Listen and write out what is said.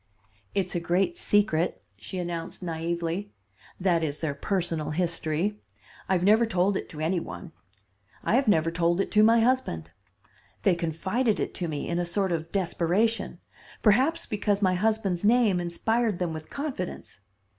"It's a great secret," she announced naively. "That is, their personal history. I have never told it to any one. I have never told it to my husband. They confided it to me in a sort of desperation, perhaps because my husband's name inspired them with confidence.